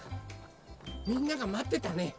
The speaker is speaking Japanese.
みんながまってたね。